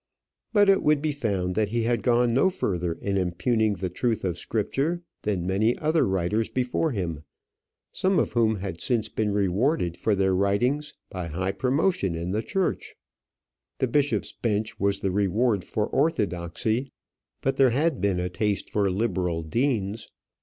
But it would be found that he had gone no further in impugning the truth of Scripture than many other writers before him, some of whom had since been rewarded for their writings by high promotion in the church. The bishops' bench was the reward for orthodoxy; but there had been a taste for liberal deans.